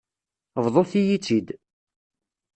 Bḍut-iyi-tt-id.